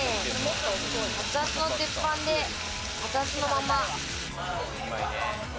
熱々の鉄板で熱々のまま。